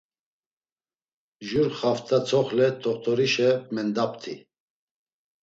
Jur xaft̆a tzoxle t̆oxt̆orişe mendapti.